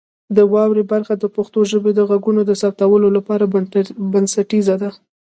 د واورئ برخه د پښتو ژبې د غږونو د ثبتولو لپاره بنسټیزه ده.